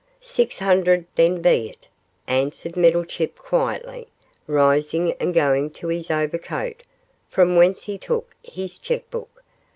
'Six hundred then be it,' answered Meddlechip, quietly, rising and going to his overcoat, from whence he took his cheque book.